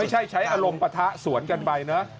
ใช้ใช้อารมณ์ปะทะสวนกันไปนะ